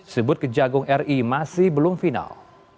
sebut kejagung ri masih belum final